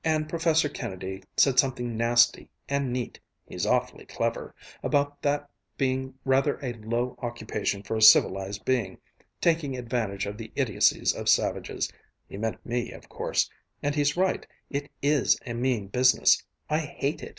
And Professor Kennedy said something nasty and neat (he's awfully clever) about that being rather a low occupation for a civilized being taking advantage of the idiocies of savages he meant me, of course and he's right, it is a mean business; I hate it.